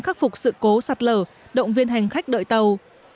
khắc phục sự cố sạt lở động viên hành khách đội tàu